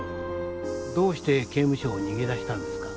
どうして刑務所を逃げ出したんですか？